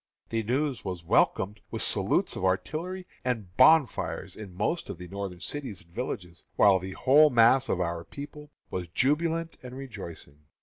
The news was welcomed with salutes of artillery and bonfires in most of the Northern cities and villages, while the whole mass of our people was jubilant and rejoicing.